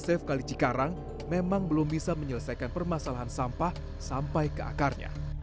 desaf kali cikarang memang belum bisa menyelesaikan permasalahan sampah sampai ke akarnya